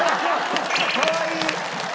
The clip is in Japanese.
かわいい！